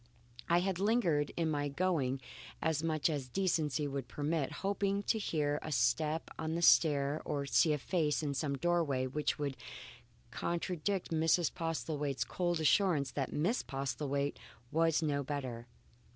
I had lingered in my going as much as decency would permit, hoping to hear a step on the stair or see a face in some doorway which would contradict Mrs. Postlethwaite's cold assurance that Miss Postlethwaite was no better.